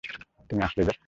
তুমি আসলে যে?